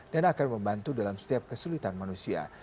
dan akan membantu dalam setiap kesulitan manusia